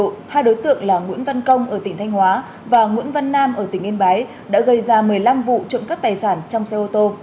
trong tình thụ hai đối tượng là nguyễn văn công ở tỉnh thanh hóa và nguyễn văn nam ở tỉnh yên bái đã gây ra một mươi năm vụ trộm cắt tài sản trong xe ô tô